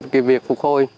cái việc phục hồi